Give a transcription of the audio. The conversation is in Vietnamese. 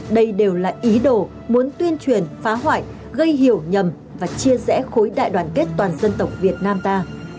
đây đều là ý đồ muốn tuyên truyền phá hoại gây hiểu nhầm và chia rẽ khối đại đoàn kết toàn dân tộc việt nam ta